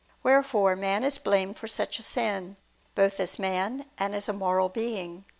Wherefore man is blamed for such a sin, both as man and as a moral being.